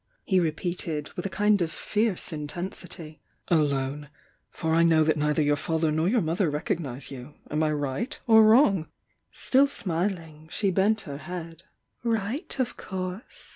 he repeated with a kind of fierce intensity. "Alone! — for I know that neither your father nor your moth er recognise you. Am I right or wrong?" Still smiling, she bent her head. "Right, of course!"